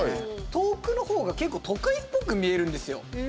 遠くの方が結構、都会っぽく見えるんですよ。